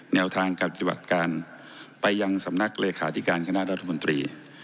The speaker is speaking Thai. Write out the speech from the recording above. แนวทางการปฏิบัติการไปยังสำนักเลขาธิการคณะรัฐมนตรี